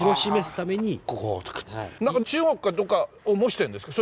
中国かどっかを模してんですか？